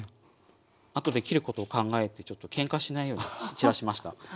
後で切ることを考えてちょっとけんかしないように散らしました。